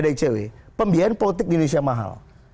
dari icw pembiayaan politik di indonesia mahal